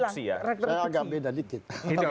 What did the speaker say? saya agak beda dikit